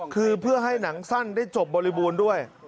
คือเพื่อให้หนังสั้นได้จบบริบูรณ์ด้วย